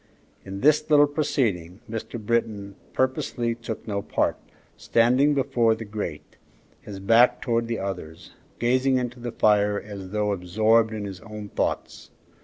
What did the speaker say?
In this little proceeding Mr. Britton purposely took no part, standing before the grate, his back towards the others, gazing into the fire as though absorbed in his own thoughts.